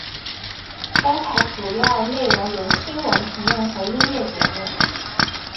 该台主要内容有新闻评论和音乐节目。